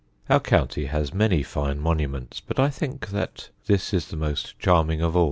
Our county has many fine monuments, but I think that, this is the most charming of all.